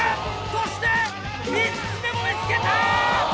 そして３つ目も見つけた！